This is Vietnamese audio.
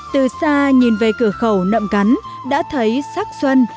từ xa nhìn về cửa khẩu nậm cắn đã thấy sắc xuân